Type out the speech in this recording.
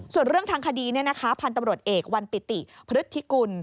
ส่วนเรื่องทางคดีพันธุ์ตำรวจเอกวันปิติพฤทธิกุล